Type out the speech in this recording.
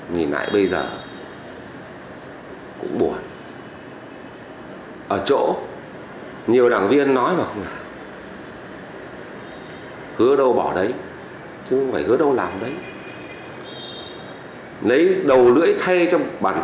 nhưng thời gian qua có không ít cán bộ đảng viên và nhân dân